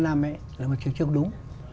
nó là một chủ trương đúng